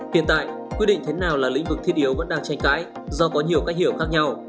hiện tại quyết định thế nào là lĩnh vực thiết yếu vẫn đang tranh cãi do có nhiều cách hiểu khác nhau